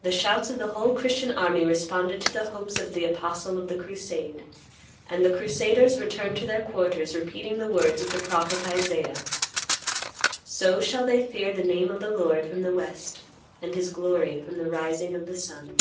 The shouts of the whole Christian army responded to the hopes of the apostle of the crusade; and the crusaders returned to their quarters repeating the words of the prophet Isaiah: "So shall they fear the name of the Lord from the West, and His glory from the rising of the sun."